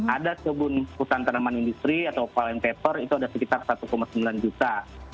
ada sebuah hutan tanaman industri atau fallen paper itu ada sekitar satu sembilan juta